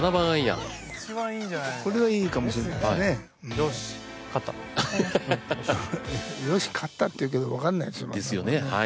「よし勝った」って言うけど分かんないそれは。ですよねはい。